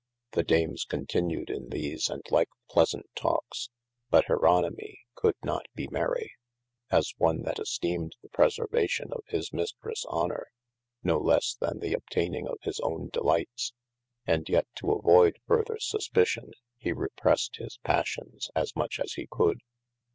The Dames continued in these and like pleasaunt talkes : but Jeron\i\nui coulde not be mery, as on that estemed the preservation of his mistres honor, no [lesse] then the obteyning of his owne delightes, and yet to avoyd further suspicion, he repressed his passions, as much as hee could.